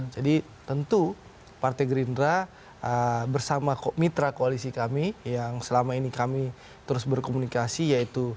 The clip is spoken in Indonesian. jadi tentu partai gerindra bersama mitra koalisi kami yang selama ini kami terus berkomunikasi yaitu pks dan pan